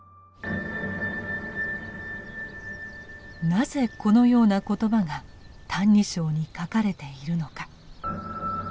なぜこのような言葉が「歎異抄」に書かれているのか。